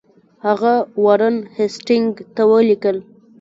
هغه وارن هیسټینګ ته ولیکل.